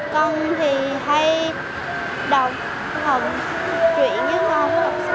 con thì hay đọc phần truyện với con